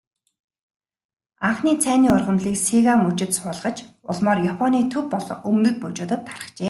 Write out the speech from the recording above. Анхны цайны ургамлыг Сига мужид суулгаж, улмаар Японы төв болон өмнөд мужуудад тархжээ.